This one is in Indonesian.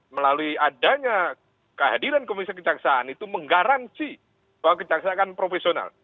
melalui adanya kehadiran komisi kejaksaan itu menggaransi bahwa kejaksaan profesional